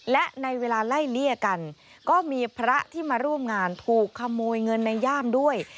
และในเวลาไล่เลี่ยกันก็มีพระที่มาร่วมงานถูกขโมยเงินในย่ามด้วย